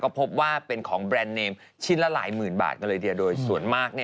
พบว่าเป็นของแบรนด์เนมชิ้นละหลายหมื่นบาทกันเลยทีเดียวโดยส่วนมาก